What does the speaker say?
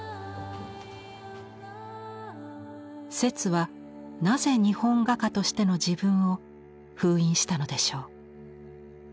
摂はなぜ日本画家としての自分を封印したのでしょう？